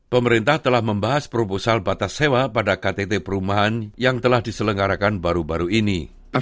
pemerintah telah membahas proposal batas sewa pada ktt perumahan yang telah diselenggarakan baru baru ini